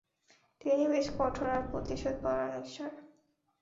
তিনি বেশ কঠোর আর প্রতিশোধপরায়ণ ঈশ্বর!